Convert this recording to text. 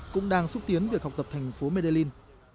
cũng đang xúc tiến việc học tập thành phố medil